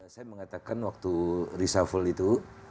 saya mengatakan waktu reshuffle itu